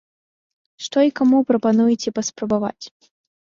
Што і каму прапануеце паспрабаваць?